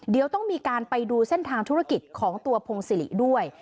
เดี๋ยวต้องมีการไปดูเส้นทางธุรกิจของตัวพงศิริด้วย